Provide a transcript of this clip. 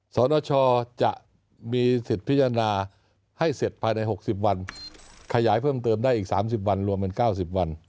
สนชจะมีสิทธิ์พิจารณาให้เสร็จภายใน๖๐วันขยายเพิ่มเติมได้อีก๓๐วันรวมเป็น๙๐วัน